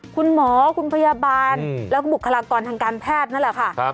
คุณหมอคุณพยาบาลแล้วก็บุคลากรทางการแพทย์นั่นแหละค่ะ